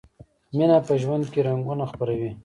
مینه په ژوند کې رنګونه خپروي.